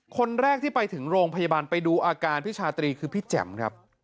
คนแรกที่ไปถึงโรงพยาบาลไปดูอาการพี่ชาตรีคือพี่แจ๋มครับ